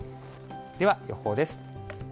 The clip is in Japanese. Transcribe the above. では、予報です。